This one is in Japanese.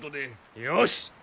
よし！